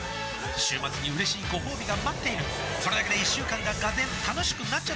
週末にうれしいごほうびが待っているそれだけで一週間が俄然楽しくなっちゃったりしますよね